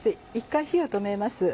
１回火を止めます。